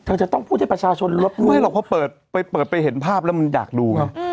จะต้องพูดให้ประชาชนรับรู้หรอกเพราะเปิดไปเห็นภาพแล้วมันอยากดูไง